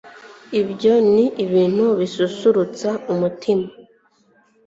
ibyo ni ibintu bisusurutsa umutima